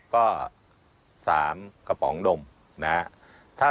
ก็๓กระป๋องดมนะฮะ